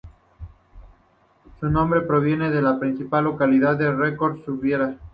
Su nombre proviene de la principal localidad que recorre, Ubierna.